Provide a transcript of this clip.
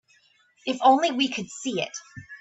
If only we could see it.